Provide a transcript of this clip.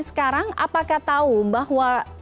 sekarang apakah tahu bahwa